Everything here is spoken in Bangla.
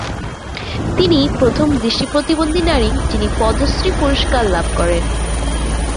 তিনিই প্রথম দৃষ্টি প্রতিবন্ধী নারী, যিনি পদ্মশ্রী পুরস্কার লাভ করেন।